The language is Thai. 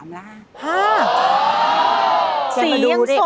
สียังสดอยู่เลยนะ